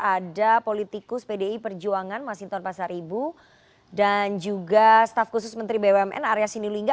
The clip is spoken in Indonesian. ada politikus pdi perjuangan masinton pasar ibu dan juga staf khusus menteri bumn arya sinulinga